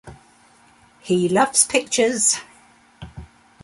He loves pictures!